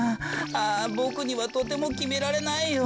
あボクにはとてもきめられないよ。